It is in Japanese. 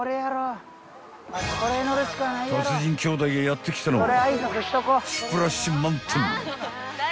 ［達人兄弟がやって来たのは］